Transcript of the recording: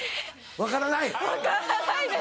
分からないです。